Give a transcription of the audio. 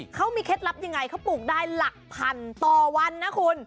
เขามีเคล็ดลับยังไงเขาปลูกได้หลักพันต่อวันนะคุณ